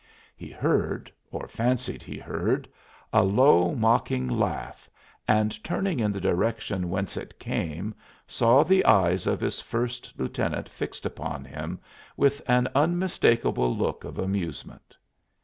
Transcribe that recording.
He heard, or fancied he heard, a low, mocking laugh and turning in the direction whence it came saw the eyes of his first lieutenant fixed upon him with an unmistakable look of amusement.